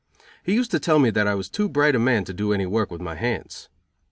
He used to tell me that I was too bright a man to do any work with my hands.